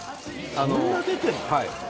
そんな出てんの？